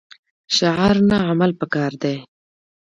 شعار نه عمل پکار دی